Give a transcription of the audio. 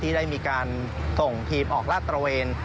ได้มีการส่งทีมออกลาดตระเวน